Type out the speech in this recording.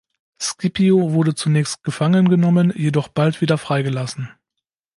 Scipio wurde zunächst gefangen genommen, jedoch bald wieder freigelassen.